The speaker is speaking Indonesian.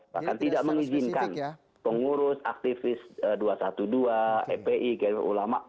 bahkan tidak mengizinkan pengurus aktivis pa dua ratus dua belas epi kdu ulama